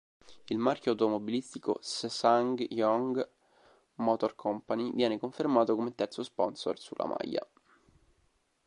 Il marchio automobilistico SsangYong Motor Company viene confermato come terzo sponsor sulla maglia.